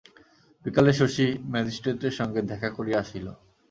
বিকালে শশী ম্যাজিস্ট্রেটের সঙ্গে দেখা করিয়া আসিল।